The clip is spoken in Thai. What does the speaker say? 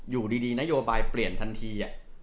อยู่ดีนโยบายเปลี่ยนทันที